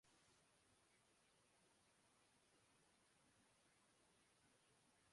করণ জোহর ভারতের মুম্বইয়ে জন্ম নেন।